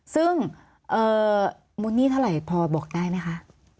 ซึ่งมูลหนี้เท่าไหร่พอบอกได้ไหมคะ